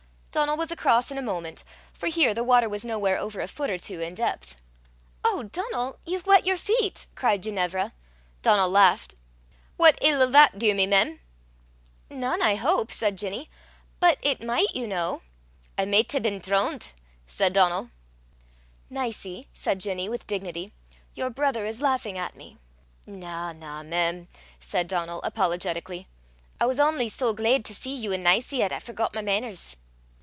Donal was across in a moment, for here the water was nowhere over a foot or two in depth. "Oh, Donal! you've wet your feet!" cried Ginevra. Donal laughed. "What ill 'ill that dee me, mem?" "None, I hope," said Ginny; "but it might, you know." "I micht hae been droont," said Donal. "Nicie," said Ginny, with dignity, "your brother is laughing at me." "Na, na, mem," said Donal, apologetically. "I was only so glaid to see you an' Nicie 'at I forgot my mainners."